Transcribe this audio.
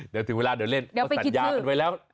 เดี๋ยวถึงเวลาเดี๋ยวเล่นเขาสัญญากันไว้แล้ว